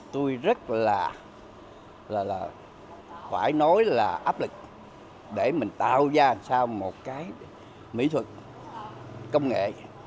tôi rất là phải nói là áp lực để mình tạo ra sao một cái mỹ thuật công nghệ